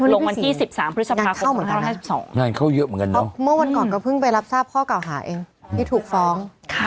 ลงวันที่๑๓พฤษภาคม๕๒นะคะงานเข้าเหมือนกันนะเพราะเมื่อวันก่อนก็เพิ่งไปรับทราบข้อเก่าหาเองที่ถูกฟ้อง